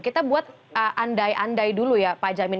kita buat andai andai dulu ya pak jamin